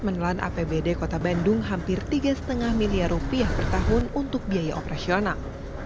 menelan apbd kota bandung hampir tiga lima miliar rupiah per tahun untuk biaya operasional